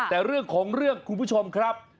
แต่เรื่องของเรื่องคุณผู้ชมครับ